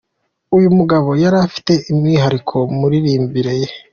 Uyu mugabo yari afite umwihariko mu miririmbire ye.